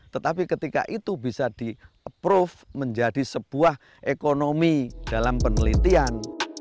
tetapi ketika itu bisa di approve menjadi sebuah ekonomi dalam penelitian